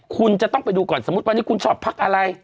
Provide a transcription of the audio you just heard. คุณจะต้องไปดูก่อนสมมุติวันนี้คุณชอบพักอะไร